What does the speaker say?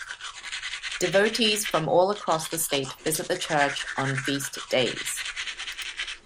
Devotees from all across the state visit the church on the feast days.